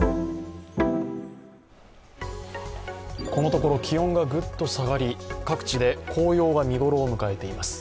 このところ気温がグッと下がり各地で紅葉が見頃を迎えています。